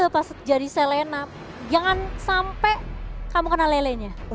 pas jadi selena jangan sampai kamu kena lelenya